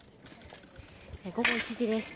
午後１時です。